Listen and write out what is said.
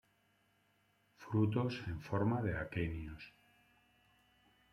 Frutos en forma de aquenios.